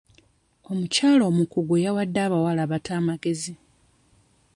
Omukyala omukugu yawadde abawala abato amagezi.